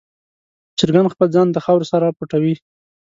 چرګان خپل ځان د خاورو سره پټوي.